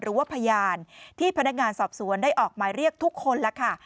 หรือว่าพยานที่พนักงานสอบสวนได้ออกหมายเรียกทุกคนแล้วค่ะ